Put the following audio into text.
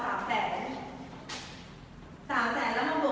ปลอดภัยเพิ่มเขามาทำบ้านที่มันดี